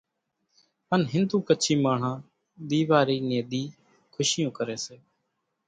ان ھنڌو ڪڇي ماڻۿان ۮيواري ني ۮي خوشيون ڪري سي